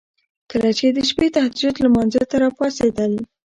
چې کله د شپې تهجد لمانځه ته را پاڅيدل